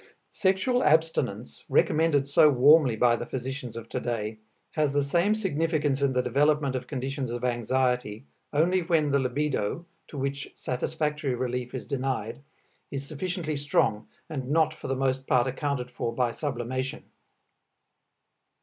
Sexual abstinence, recommended so warmly by the physicians of to day, has the same significance in the development of conditions of anxiety only when the libido, to which satisfactory relief is denied, is sufficiently strong and not for the most part accounted for by sublimation.